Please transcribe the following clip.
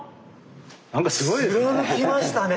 何かすごいですね！